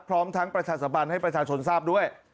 พร้อมทั้งประชาสัมพันธ์ให้ประชาชนทราบด้วย